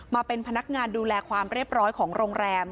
มาเป็นพนักงานดูแลความเรียบร้อยของโรงแรม